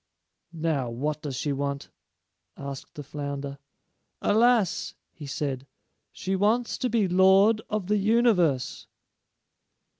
"Now, what does she want?" asked the flounder. "Alas," he said, "she wants to be Lord of the Universe."